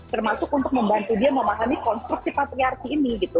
termasuk untuk membantu dia memahami konstruksi patriarki ini gitu